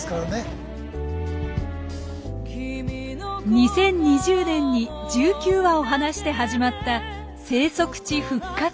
２０２０年に１９羽を放して始まった生息地復活作戦。